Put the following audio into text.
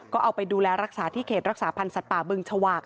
ก็เอาไปดูแลรักษาที่เขตรักษาพันธ์สัตว์ป่าบึงชวาก